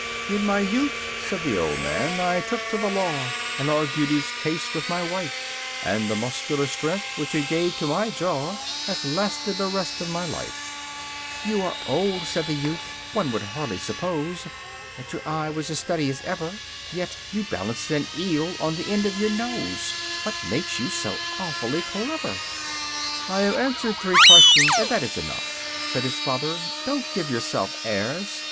6. "In my youth," said the old man, "I took to the law, And argued each case with my wife, And the muscular strength, which it gave to my jaw, Has lasted the rest of my life." 7. "You are old," said the youth; "one would hardly suppose That your eye was as steady as ever: Yet you balanced an eel on the end of your nose What made you so awfully clever?" 8. "I have answered three questions, and that is enough," Said his father, "don't give yourself airs!